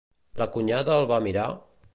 La cunyada el va mirar?